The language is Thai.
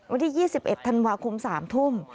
วันที่๒๑ธันวาคม๓ทุ่ม